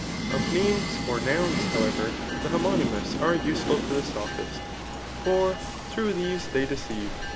Of names or nouns^ however, the honumy hmnis are useful to the sophist ; for tlupugh these they ^ieceive.